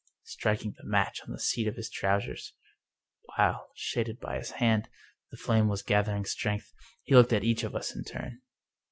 Striking the match on the seat of his trousers, while, shaded by his hand, the flame was gathering strength, he looked at each of us in turn.